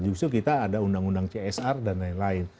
justru kita ada undang undang csr dan lain lain